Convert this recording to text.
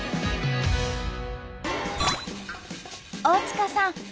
大塚さん